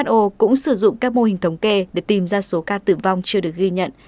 họ sử dụng các mô hình thống kê để tìm ra số ca tử vong chưa được ghi nhận